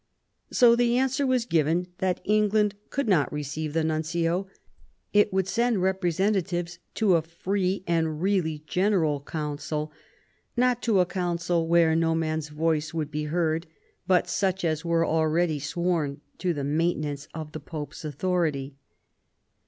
So the answer was given that England could not receive the nuncio ; it would send repre sentatives to a free and really General Council, not to a Council where no man's voice would be heard '* but such as were already sworn to the maintenance of the Pope's authority